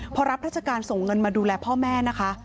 พอรับราชการส่งเงินมาดูแลพ่อแม่นะคะ